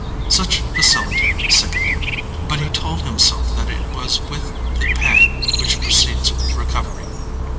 Such facility sickened him—but he told himself that it was with the pang which precedes recovery.